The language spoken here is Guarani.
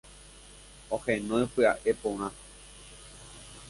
Oheñói pya'e porã.